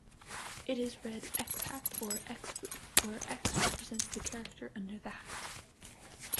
It is read "x-hat" or "x-roof", where "x" represents the character under the hat.